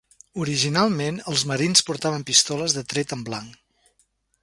Originalment, els marins portaven pistoles de tret en blanc.